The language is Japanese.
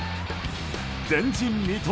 前人未到！